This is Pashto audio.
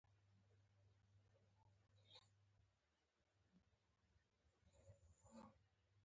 د میرمنو کار د ښځو حقونو پیاوړتیا ده.